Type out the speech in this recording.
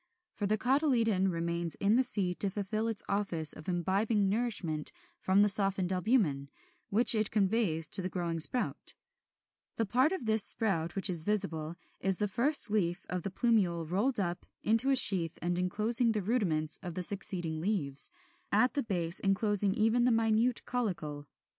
For the cotyledon remains in the seed to fulfil its office of imbibing nourishment from the softened albumen, which it conveys to the growing sprout; the part of this sprout which is visible is the first leaf of the plumule rolled up into a sheath and enclosing the rudiments of the succeeding leaves, at the base enclosing even the minute caulicle.